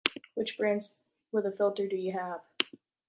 Which brands with a filter do you have?